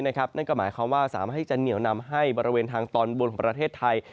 นั่นก็หมายความว่าสามารถที่จะเหนียวนำให้บริเวณทางตอนบนของประเทศไทย